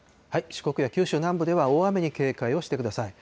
四国や九州南部では大雨に警戒をしてください。